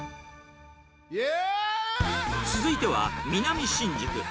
続いては、南新宿。